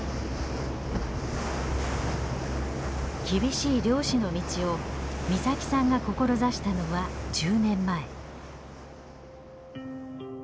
厳しい漁師の道を岬さんが志したのは１０年前。